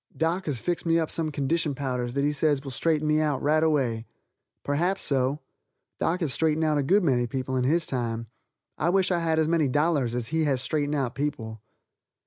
Doc has fixed me up some condition powders that he says will straighten me out right away. Perhaps so. Doc has straightened out a good many people in his time. I wish I had as many dollars as he has straightened out people.